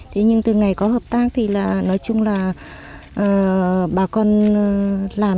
thế nhưng từ ngày có hợp tác thì là nói chung là bà con làm